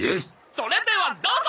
それではどうぞ！